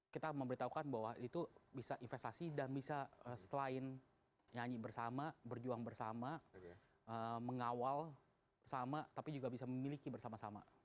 kita memberitahukan bahwa itu bisa investasi dan bisa selain nyanyi bersama berjuang bersama mengawal sama tapi juga bisa memiliki bersama sama